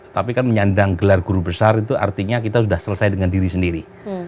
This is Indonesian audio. tapi kan menyandang gelar guru besar itu artinya kita sudah selesai dengan diri sendiri